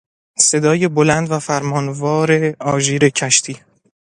صدای بلند و فرمانوار آژیر کشتی